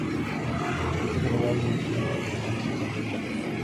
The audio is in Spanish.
Esto fue negado inmediatamente por un portavoz de la actriz.